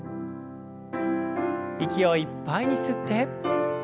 息をいっぱいに吸って。